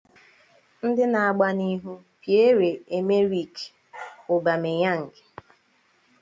Ndị Na-agba N'ihu: Pierre Emerick Aubameyang